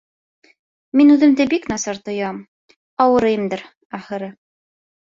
Мин үҙемде бик насар тоям: ауырыйымдыр, ахырыһы